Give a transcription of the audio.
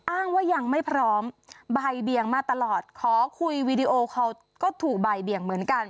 อ้างว่ายังไม่พร้อมบ่ายเบียงมาตลอดขอคุยวีดีโอคอลก็ถูกบ่ายเบียงเหมือนกัน